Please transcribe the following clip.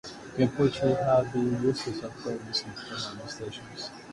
Kempe-chains have been used to solve problems in "coloring extension".